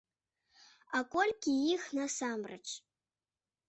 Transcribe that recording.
А колькі іх насамрэч?